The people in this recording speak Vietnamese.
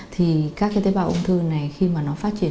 thì các cái tế bào ung thư này khi mà nó phát triển